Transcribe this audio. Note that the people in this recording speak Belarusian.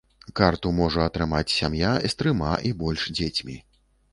Карту можа атрымаць сям'я з трыма і больш дзецьмі.